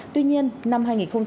tuy nhiên năm hai nghìn một mươi chín